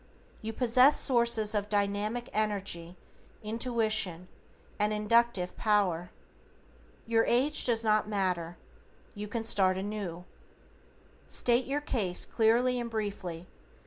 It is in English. You possess sources of dynamic energy, intuition, initiative and inductive power. Your age does not matter, you can start anew. STATE YOUR CASE CLEARLY AND BRIEFLY.